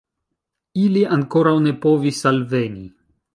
Ili ankoraŭ ne povis alveni.